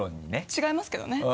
違いますけどね。